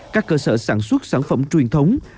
các cơ sở sản xuất sản phẩm truyền thống